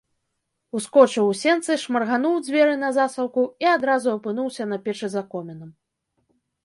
Ускочыў у сенцы, шмаргануў дзверы на засаўку і адразу апынуўся на печы за комінам.